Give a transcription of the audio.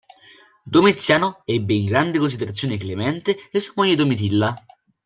Domiziano ebbe in grande considerazione Clemente e sua moglie Domitilla.